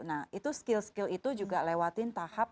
nah itu skill skill itu juga lewatin tahap